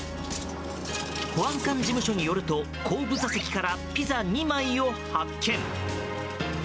保安官事務所によると後部座席からピザ２枚を発見。